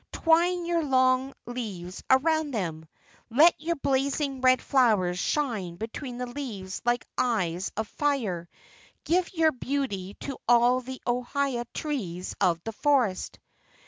Twine your long leaves around them! Let your blazing red flowers shine between the leaves like eyes of fire! Give your beauty to all the ohia trees of the forest!"